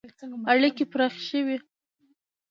• اړیکې پراخې شوې.